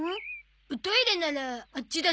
おトイレならあっちだゾ。